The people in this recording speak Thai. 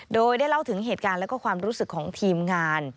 โดยได้เล่าถึงเหตุการณ์และความรู้สึกของทีมงาน